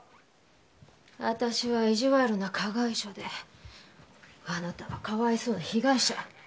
私は意地悪な加害者であなたはかわいそうな被害者。